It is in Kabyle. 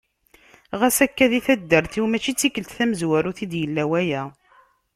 Ɣas akken di taddart-iw mačči d tikkelt tamezwarut i d-yella waya.